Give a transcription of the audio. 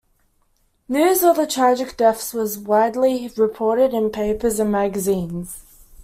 News of the tragic deaths was widely reported in papers and magazines.